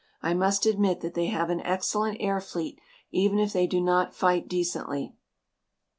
I must admit that they have an excellent air fleet even if they do not fight decently.